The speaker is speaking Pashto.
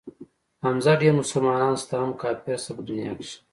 حمزه ډېر مسلمانان شته هم کافر شته په دنيا کښې.